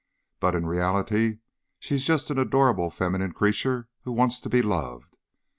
But in reality she's just an adorable feminine creature who wants to be loved.